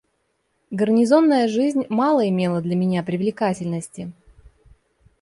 Гарнизонная жизнь мало имела для меня привлекательности.